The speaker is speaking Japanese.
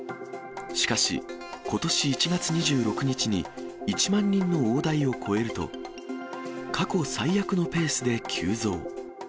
しかし、ことし１月２６日に１万人の大台を超えると、過去最悪のペースで急増。